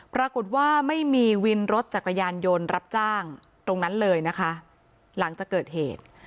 ปรากฏว่าไม่มีวินรถจักรยานยนต์รับจ้างตรงนั้นเลยนะคะหลังจากเกิดเหตุ